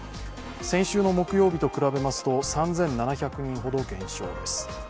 先週の木曜日と比べますと３７００人ほど減少です。